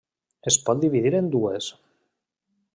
Es pot dividir en dues.